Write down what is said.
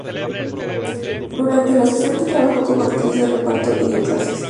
Durante los sesenta, trabajó como actriz de reparto y dio clases.